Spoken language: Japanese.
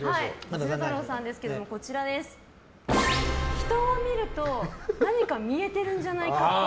鶴太郎さんですけども人を見ると何か見えてるんじゃないかっぽい。